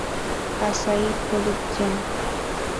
Asahi Production